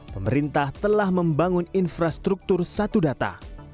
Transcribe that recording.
pemerintah telah membangun infrastruktur satu data